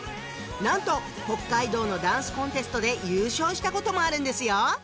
なんと北海道のダンスコンテストで優勝したこともあるんですよ